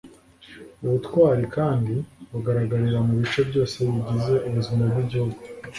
ubutwari kandi bugaragarira mu bice byose bigize ubuzima bw'igihugu